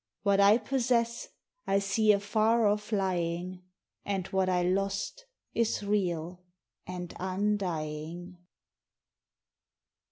What I possess I see afar off lying, And what I lost is real and undying.